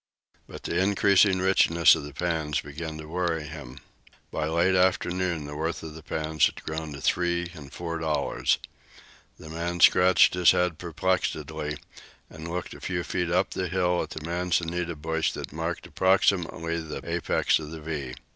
But the increasing richness of the pans began to worry him. By late afternoon the worth of the pans had grown to three and four dollars. The man scratched his head perplexedly and looked a few feet up the hill at the manzanita bush that marked approximately the apex of the "V."